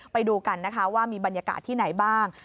ไปดูกันนะคะว่ามีบรรยากาศที่ไหนบ้าง